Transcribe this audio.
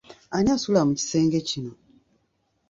Ani asula mu kisenge kino?